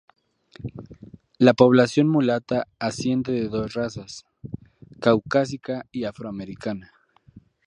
La población mulata asciende de dos razas, caucásica y afroamericana.